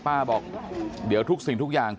บอกเดี๋ยวทุกสิ่งทุกอย่าง